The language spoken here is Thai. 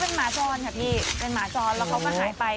เป็นหมาจรค่ะพี่เป็นหมาจรแล้วเขาก็หายไป